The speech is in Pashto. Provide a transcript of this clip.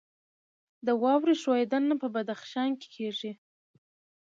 د واورې ښویدنه په بدخشان کې کیږي